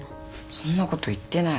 そんなこと言ってない。